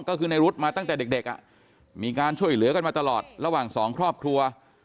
ก็คือในรุ๊ดมาตั้งแต่เด็กมีการช่วยเหลือกันมาตลอดระหว่างสองครอบครัว